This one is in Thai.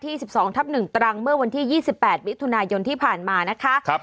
ที่๑๒ทับ๑ตรังเมื่อวันที่๒๘วิทยุทธุนายนที่ผ่านมานะคะ